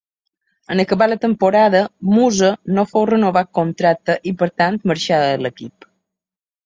En acabar la temporada, Musa no fou renovat contracte i per tant marxà de l'equip.